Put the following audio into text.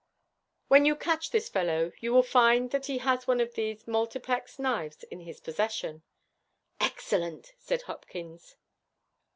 When you catch this fellow, you will find that he has one of these multiplex knives in his possession.' 'Excellent!' said Hopkins.